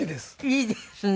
いいですね。